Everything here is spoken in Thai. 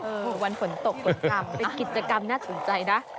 ถูกวันฝนตกฝนกรรมเป็นกิจกรรมน่าสนใจนะ